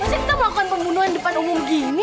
masa kita melakukan pembunuhan depan umum gini